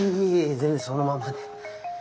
全然そのままで。